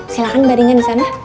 silahkan baringan disana